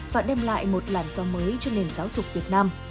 và đem lại một làn do mới cho nền giáo dục việt nam